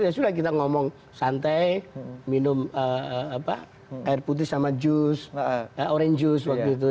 ya sudah kita ngomong santai minum air putih sama orange jus waktu itu